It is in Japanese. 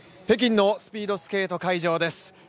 北京のスピードスケート会場です。